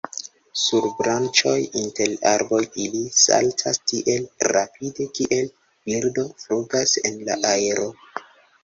Sur branĉoj inter arboj ili saltas tiel rapide kiel birdo flugas en aero.